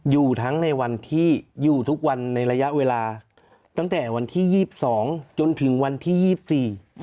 อยู่ทั้งในวันที่อยู่ทุกวันในระยะเวลาตั้งแต่วันที่ยี่สิบสองจนถึงวันที่ยี่สิบสี่